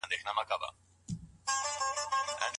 طبابت د ښځو لپاره فرض کفايه دی؟